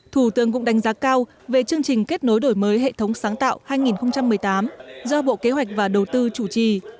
thủ tướng cũng đánh giá cao về chương trình kết nối đổi mới hệ thống sáng tạo hai nghìn một mươi tám do bộ kế hoạch và đầu tư chủ trì